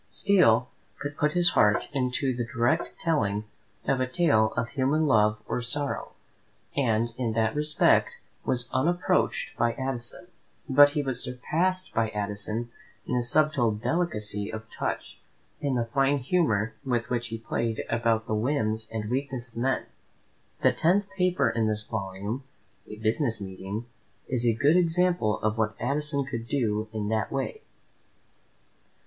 Steele could put his heart into the direct telling of a tale of human love or sorrow, and in that respect was unapproached by Addison; but he was surpassed by Addison in a subtle delicacy of touch, in the fine humour with which he played about the whims and weaknesses of men. The tenth paper in this volume, "A Business Meeting," is a good example of what Addison could do in that way.